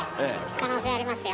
可能性ありますよ？